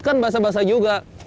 kan basah basah juga